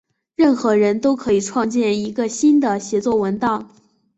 任何人都可以创建一个新的协作文档。